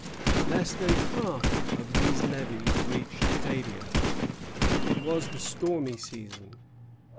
Less than half of these levies reached Acadia. It was the stormy season.